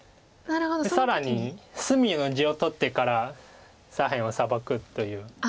で更に隅の地を取ってから左辺をサバくという。